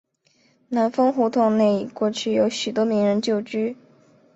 南丰胡同内过去有许多名人旧居。